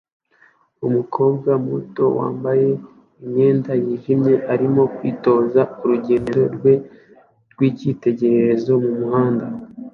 Umukobwa muto wambaye imyenda yijimye arimo kwitoza urugendo rwe rwicyitegererezo mumuhanda